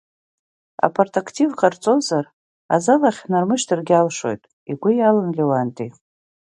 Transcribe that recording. Апартактив ҟарҵозар, азал ахь ҳнармышьҭыргьы алшоит, игәы иалан Леуанти.